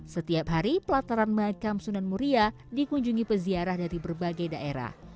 setiap hari pelataran makam sunan muria dikunjungi peziarah dari berbagai daerah